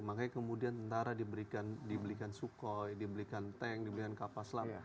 makanya kemudian tentara diberikan sukhoi diberikan tank diberikan kapal selam